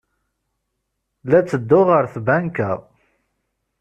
La ttedduɣ ɣer tbanka.